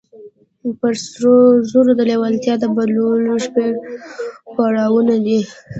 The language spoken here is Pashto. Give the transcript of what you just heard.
پر سرو زرو د لېوالتیا د بدلولو شپږ پړاوونه دي.